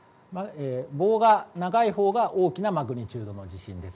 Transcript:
棒が長い方が大きなマグニチュードの地震です。